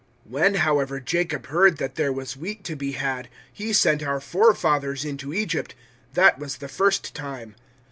007:012 When, however, Jacob heard that there was wheat to be had, he sent our forefathers into Egypt; that was the first time.